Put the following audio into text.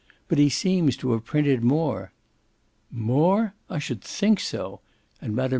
"But he seems to have printed more." "MORE? I should think so!" And Mme.